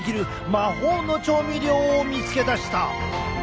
魔法の調味料を見つけ出した。